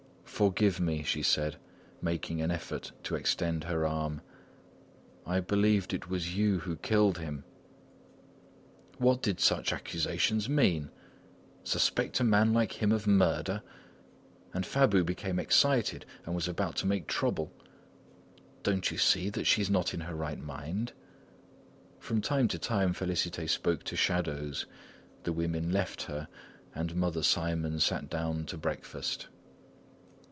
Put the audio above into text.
"Forgive me," she said, making an effort to extend her arm, "I believed it was you who killed him!" What did such accusations mean? Suspect a man like him of murder! And Fabu became excited and was about to make trouble. "Don't you see she is not in her right mind?" From time to time Félicité spoke to shadows. The women left her and Mother Simon sat down to breakfast.